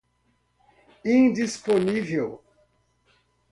indisponível